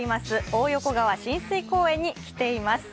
大横川親水公園に来ています。